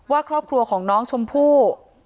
ว่าครอบครัวของน้องชมพู่